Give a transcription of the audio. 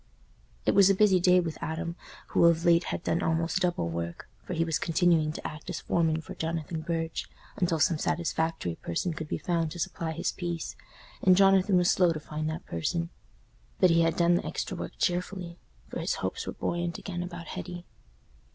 It was a busy day with Adam, who of late had done almost double work, for he was continuing to act as foreman for Jonathan Burge, until some satisfactory person could be found to supply his place, and Jonathan was slow to find that person. But he had done the extra work cheerfully, for his hopes were buoyant again about Hetty.